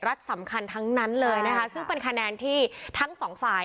สำคัญทั้งนั้นเลยนะคะซึ่งเป็นคะแนนที่ทั้งสองฝ่าย